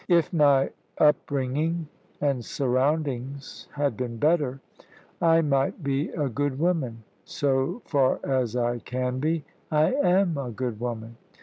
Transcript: If my up bringing and surroundings had been better, I might be a good woman so far as I can be, I am a good woman.